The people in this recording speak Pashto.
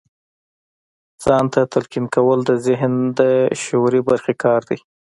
ځان ته تلقين کول د ذهن د شعوري برخې کار دی.